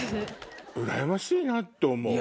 うらやましいなと思う。